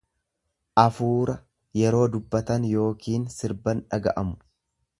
afuura'yeroo dubbatan yookiin sirban dhaga'amu.